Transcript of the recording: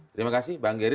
terima kasih bang gedi